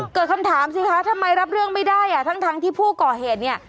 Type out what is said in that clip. เกิดคำถามสิคะทำไมรับเรื่องไม่ได้อ่ะทั้งที่ผู้ก่อเหตุเนี่ย